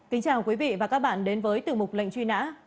kính chào quý vị và các bạn đến với tiểu mục lệnh truy nã